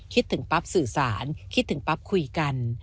คิดถึงปั๊บสื่อสารคิดถึงปั๊บคุยกัน